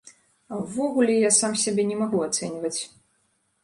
А ўвогуле, я сам сябе не магу ацэньваць.